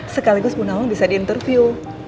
sekaligus bu nawang bisa diinterview